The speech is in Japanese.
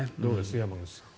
山口さん。